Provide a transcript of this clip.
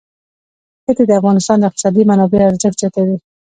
ښتې د افغانستان د اقتصادي منابعو ارزښت زیاتوي.